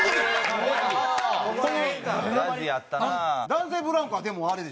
男性ブランコはでもあれでしょ。